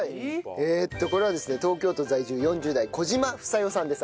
えっとこれはですね東京都在住４０代小嶋房代さんです。